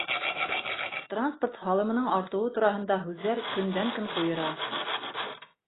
Транспорт һалымының артыуы тураһында һүҙҙәр көндән-көн ҡуйыра.